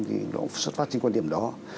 thì nó xuất phát trên quan điểm đó